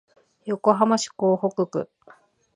横浜市港北区